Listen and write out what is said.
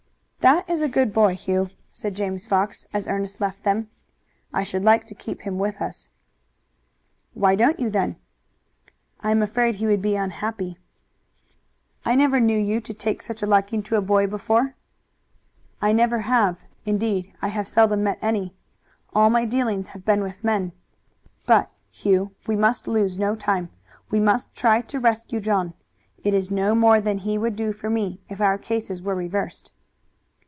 "That is a good boy, Hugh," said James Fox, as Ernest left them. "I should like to keep him with us." "Why don't you then?" "I am afraid he would be unhappy." "I never knew you to take such a liking to a boy before." "I never have. Indeed I have seldom met any. All my dealings have been with men. But, Hugh, we must lose no time. We must try to rescue John. It is no more than he would do for me if our cases were reversed."